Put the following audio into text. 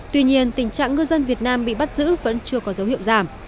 tuy nhiên tình trạng ngư dân việt nam bị bắt giữ vẫn chưa có dấu hiệu giảm